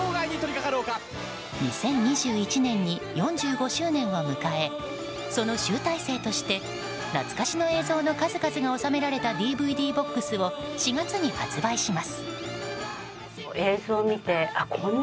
２０２１年に４５周年を迎えその集大成として懐かしの映像の数々が収められたＤＶＤボックスを４月に発売します。